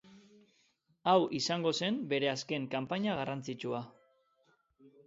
Hau izango zen bere azken kanpaina garrantzitsua.